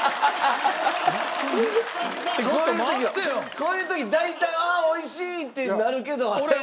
こういう時大体「ああ美味しい」ってなるけど。